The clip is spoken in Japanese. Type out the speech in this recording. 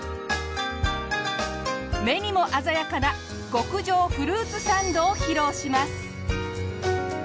目にも鮮やかな極上フルーツサンドを披露します。